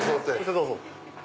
どうぞ。